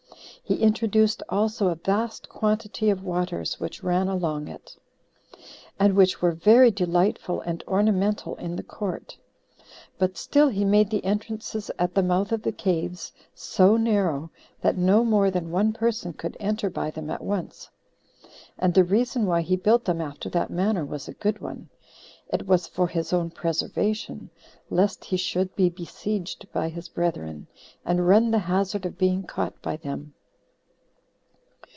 He introduced also a vast quantity of waters which ran along it, and which were very delightful and ornamental in the court. But still he made the entrances at the mouth of the caves so narrow, that no more than one person could enter by them at once. And the reason why he built them after that manner was a good one; it was for his own preservation, lest he should be besieged by his brethren, and run the hazard of being caught by them.